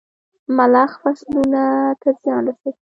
ملخ فصلونو ته زيان رسوي.